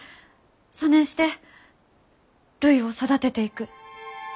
そねんしてるいを育てていく。